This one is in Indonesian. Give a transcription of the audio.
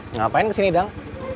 ngapain kesini dang